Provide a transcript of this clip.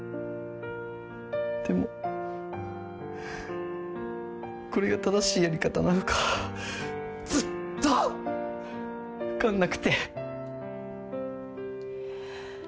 でもこれが正しいやり方なのかずっと分かんなくて。